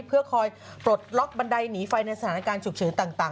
เพื่อคอยปลดล็อกบันไดหนีไฟในสถานการณ์ฉุกเฉินต่าง